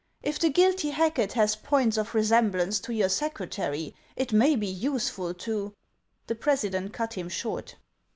If the guilty Racket has points of resemblance to your secretary, it may be useful to —" The president cut him short.